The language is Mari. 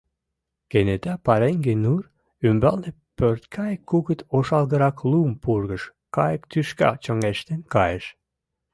Кенета пареҥге нур ӱмбалне пӧрткайык кугыт ошалгырак лум пургыж кайык тӱшка чоҥештен кайыш.